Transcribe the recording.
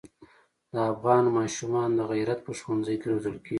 د افغان ماشومان د غیرت په ښونځي کې روزل کېږي.